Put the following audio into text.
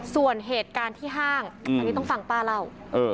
ส่วนเหตุการณ์ที่ห้างอันนี้ต้องฟังป้าเล่า